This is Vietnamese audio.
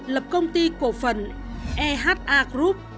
lập công ty cổ phần eha group